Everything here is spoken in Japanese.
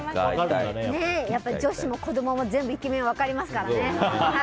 女子も子供も全部イケメン、分かりますからね。